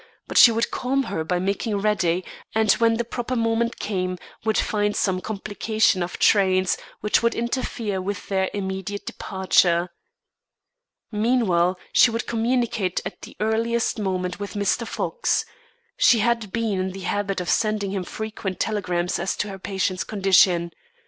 But she would calm her by making ready, and when the proper moment came, would find some complication of trains which would interfere with their immediate departure. Meanwhile, she would communicate at the earliest moment with Mr. Fox. She had been in the habit of sending him frequent telegrams as to her patient's condition.